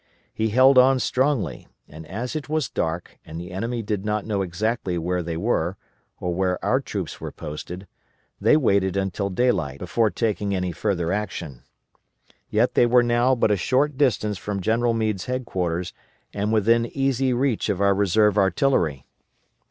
He held on strongly, and as it was dark, and the enemy did not exactly know where they were, or where our troops were posted, they waited until daylight before taking any further action. Yet they were now but a short distance from General Meade's headquarters, and within easy reach of our reserve artillery.